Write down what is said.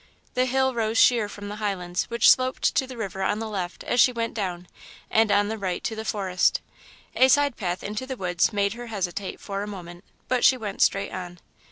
The hill rose sheer from the highlands, which sloped to the river on the left, as she went down, and on the right to the forest. A side path into the woods made her hesitate for a moment, but she went straight on.